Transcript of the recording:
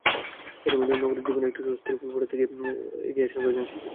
এরই মধ্যে নগর জীবনে একটু স্বস্তির ফুল ফোটাতে এগিয়ে আসেন কয়েকজন শিল্পী।